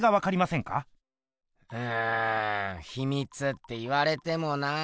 うんひみつって言われてもなぁ。